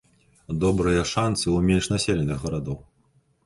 Добрыя шанцы ў менш населеных гарадоў.